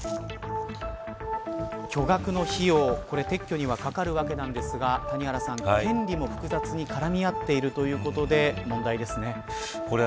巨額の費用、撤去にはかかるわけなんですが権利も複雑に絡み合っているということで、問題ですね。